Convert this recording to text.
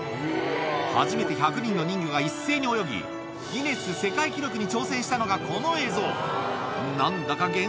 初めて１００人の人魚が一斉に泳ぎ、ギネス世界記録に挑戦したのがこの映像。